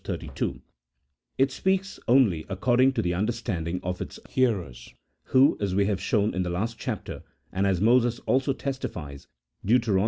32) ; it speaks only according to the understanding of its hearers, who, as we have shown in the last chapter, and as Moses also testifies (Deut.